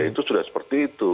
itu sudah seperti itu